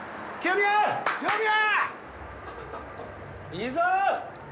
いいぞ！